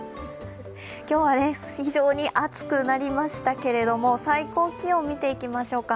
今日は非常に暑くなりましたけれども最高気温を見ていきましょうか。